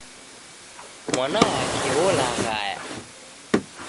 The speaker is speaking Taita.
Mwana wake olaghaya